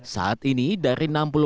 saat ini bandung adalah kota yang potensial